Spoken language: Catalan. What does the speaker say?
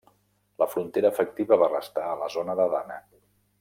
La frontera efectiva va restar a la zona d'Adana.